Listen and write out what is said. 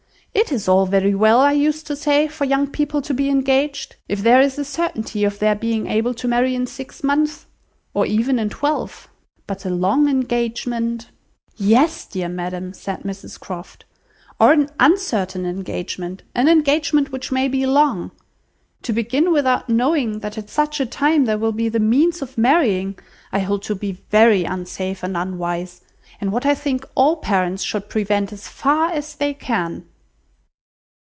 It is all very well, I used to say, for young people to be engaged, if there is a certainty of their being able to marry in six months, or even in twelve; but a long engagement—" "Yes, dear ma'am," said Mrs Croft, "or an uncertain engagement, an engagement which may be long. To begin without knowing that at such a time there will be the means of marrying, I hold to be very unsafe and unwise, and what I think all parents should prevent as far as they can."